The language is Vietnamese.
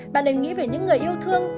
bạn nên nghĩ về những người yêu thương